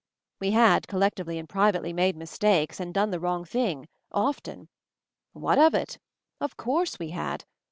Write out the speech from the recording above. ... We had, collectively and privately, made mistakes, and done the wrong thing, often. What of it ? Of course we had.